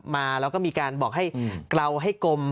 มาแล้วก็มีการบอกให้เกลาให้กลม